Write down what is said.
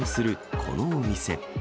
このお店。